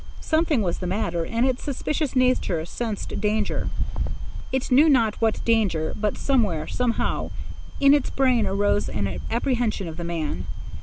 Something was the matter, and its suspicious nature sensed danger,—it knew not what danger but somewhere, somehow, in its brain arose an apprehension of the man.